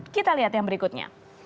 kita lihat yang berikutnya